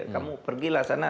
kamu pergilah sana